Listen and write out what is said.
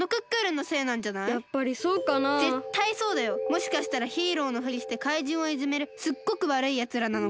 もしかしたらヒーローのフリしてかいじんをいじめるすっごくわるいやつらなのかも。